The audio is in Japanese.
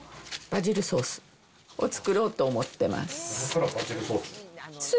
バジルソースを作ろうと思ってます。